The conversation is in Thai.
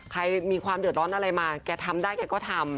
ใครมีความเดือดร้อนอะไรมาแกทำได้แกก็ทำ